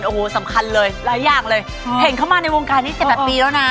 โอ้โหสำคัญเลยหลายอย่างเลยเห็นเข้ามาในวงการนี้๗๘ปีแล้วนะ